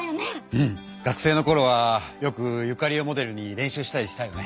うん！学生のころはよくユカリをモデルに練習したりしたよね。